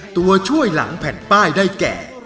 ตัวช่วยหลังแผ่นป้ายได้แก่